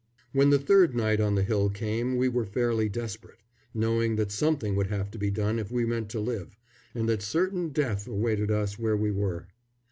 When the third night on the hill came we were fairly desperate, knowing that something would have to be done if we meant to live, and that certain death awaited us where we were.